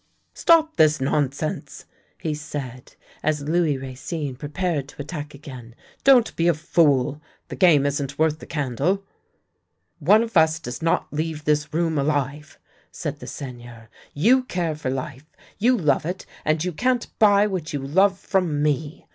" Stop this nonsense! " he said, as Louis Racine pre pared to attack again. " Don't be a fool. The game isn't worth the candle." " One of us does not leave this room alive! " said the Seigneur. " You care for life. You love it, and you can't buy what yot{ love from me.